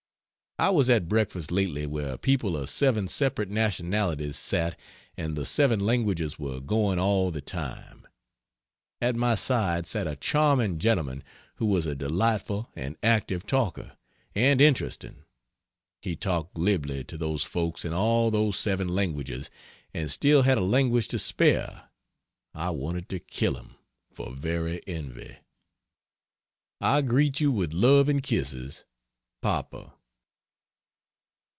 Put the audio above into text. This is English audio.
I was at breakfast lately where people of seven separate nationalities sat and the seven languages were going all the time. At my side sat a charming gentleman who was a delightful and active talker, and interesting. He talked glibly to those folks in all those seven languages and still had a language to spare! I wanted to kill him, for very envy. I greet you with love and kisses. PAPA.